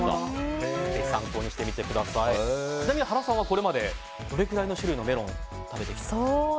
ちなみに、原さんはこれまでどれくらいの種類のメロンを食べてきたんですか？